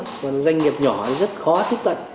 còn doanh nghiệp nhỏ rất khó tiếp cận